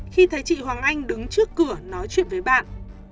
khi thấy chị hoàng anh đứng trước cửa nói chuyện với bạn